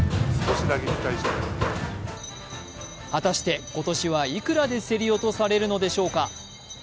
果たして今年はいくらで競り落とされるのでしょうか。